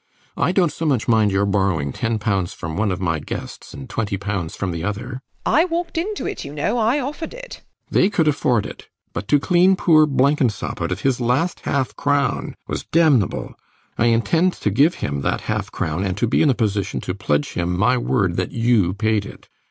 I dont so much mind your borrowing 10 pounds from one of my guests and 20 pounds from the other WALPOLE. I walked into it, you know. I offered it. RIDGEON. they could afford it. But to clean poor Blenkinsop out of his last half crown was damnable. I intend to give him that half crown and to be in a position to pledge him my word that you paid it.